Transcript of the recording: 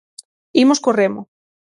Imos co remo.